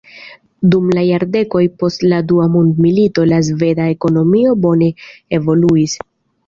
Dum la jardekoj post la dua mondmilito la sveda ekonomio bone evoluis.